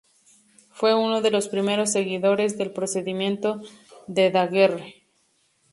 Fue uno de los primeros seguidores del procedimiento de Daguerre.